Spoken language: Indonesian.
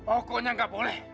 pokoknya gak boleh